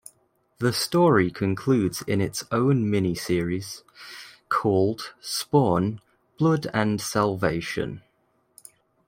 The story concludes in its own miniseries, called "Spawn: Blood and Salvation".